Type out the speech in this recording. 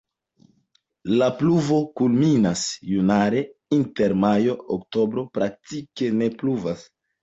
La pluvo kulminas januare, inter majo-oktobro praktike ne pluvas.